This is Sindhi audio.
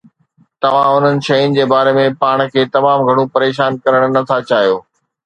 توهان انهن شين جي باري ۾ پاڻ کي تمام گهڻو پريشان ڪرڻ نٿا چاهيون